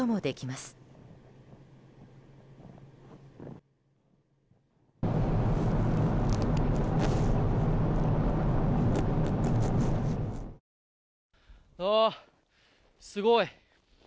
すごい。